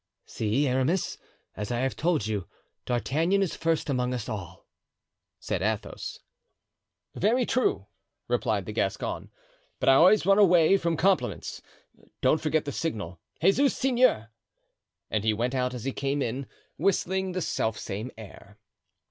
"See, Aramis, as I have told you, D'Artagnan is first amongst us all," said Athos. "Very true," replied the Gascon, "but I always run away from compliments. Don't forget the signal: 'Jesus Seigneur!'" and he went out as he came in, whistling the self same air.